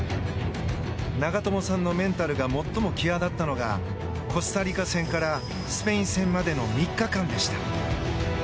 長友さんのメンタルが最も際立ったのはコスタリカ戦からスペイン戦までの３日間でした。